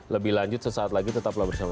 lebih lanjut sesaat lagi tetaplah bersama